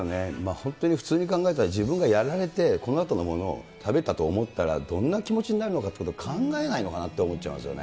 本当に普通に考えたら、自分がやられて、このあとのものを食べたと思ったら、どんな気持ちになるのかということを考えないのかなと思っちゃいますよね。